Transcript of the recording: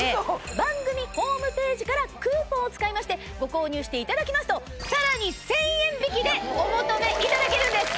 番組ホームページからクーポンを使いましてご購入していただきますとさらに１０００円引きでお求めいただけるんです。